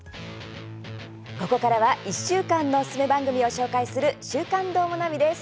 ここからは１週間のおすすめ番組を紹介する「週刊どーもナビ」です。